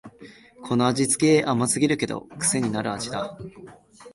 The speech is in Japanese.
この味つけ、甘すぎるけどくせになる味だ